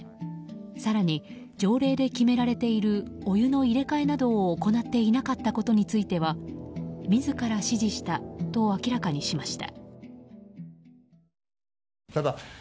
更に、条例で決められているお湯の入れ替えなどを行っていなかったことについては自ら指示したと明らかにしました。